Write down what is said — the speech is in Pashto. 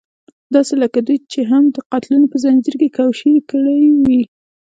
داسې لکه دوی چې هم د قتلونو په ځنځير کې کوشير کړې وي.